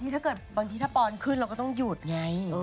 แต่บางทีถ้าปอนขึ้นเราก็ต้องหยุดไง